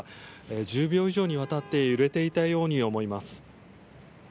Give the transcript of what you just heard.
１０秒以上にわたって揺れていたように思います。